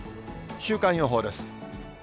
週間予報です。